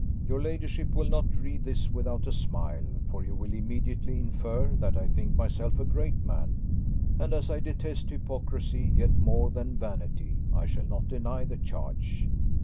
Your ladyship will not read this without a smile; for you will immediately infer, that I think myself a great man; and as I detest hypocrisy yet more than vanity, I shall not deny the charge.